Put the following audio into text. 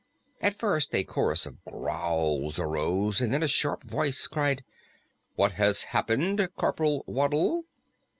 At first a chorus of growls arose, and then a sharp voice cried, "What has happened, Corporal Waddle?"